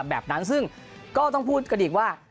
แบบนั้นซึ่งก็ต้องพูดกันอีกว่า